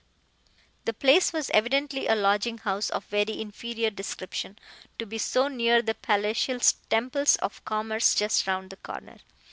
The place was evidently a lodging house of very inferior description to be so near the palatial temples of commerce just round the corner.